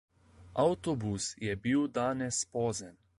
Avtobus je bil danes pozen.